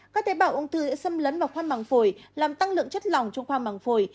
các tế bào ung thư sẽ xâm lấn vào khoang măng phổi làm tăng lượng chất lòng trong khoang măng phổi